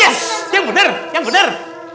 yes yang bener yang bener